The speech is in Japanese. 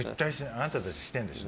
あなたたちしてるんでしょ。